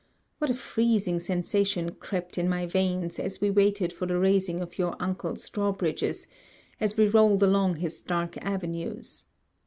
What a freezing sensation crept in my veins, as we waited for the raising of your uncle's draw bridges, as we rolled along his dark avenues!